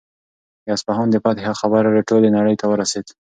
د اصفهان د فتحې خبر ټولې نړۍ ته ورسېد.